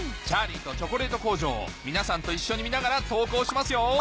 『チャーリーとチョコレート工場』を皆さんと一緒に見ながら投稿しますよ